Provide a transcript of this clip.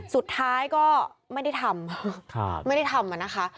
สุดท้ายก็ไม่ได้ทำไม่ได้ทำอะนะคะ